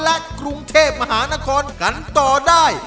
และกรุงเทพมหานครกันต่อได้